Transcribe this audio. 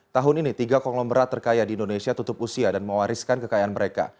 tahun ini tiga konglomerat terkaya di indonesia tutup usia dan mewariskan kekayaan mereka